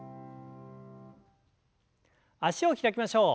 脚を開きましょう。